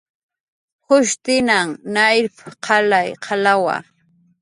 " jushtinan nayrp"" qalay qalawa"